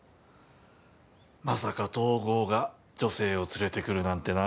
まさか東郷が女性を連れてくるなんてな